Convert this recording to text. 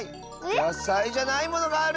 やさいじゃないものがある！